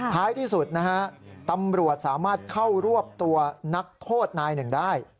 ท้ายที่สุดนะฮะตำรวจสามารถเข้ารวบตัวนักโทษนายหนึ่งได้